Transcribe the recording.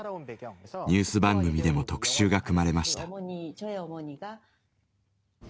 ニュース番組でも特集が組まれました。